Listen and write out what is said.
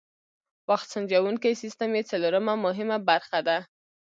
وخت سنجوونکی سیسټم یې څلورمه مهمه برخه ده.